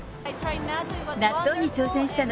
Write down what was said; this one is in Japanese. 納豆に挑戦したの。